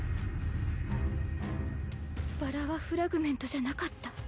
バラはフラグメントじゃなかった。